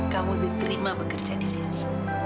kamu diterima bekerja disini